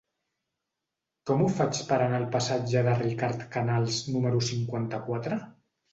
Com ho faig per anar al passatge de Ricard Canals número cinquanta-quatre?